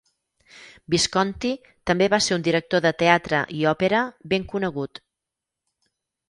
Visconti també va ser un director de teatre i òpera ben conegut.